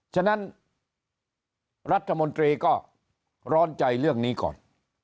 ฉะนั้นรัฐมนตรีก็ร้อนใจเรื่องนี้ก่อน